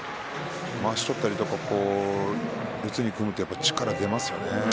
まわしを取ったりとか四つに組むと力が出ますよね。